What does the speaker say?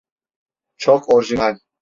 Çok orijinal.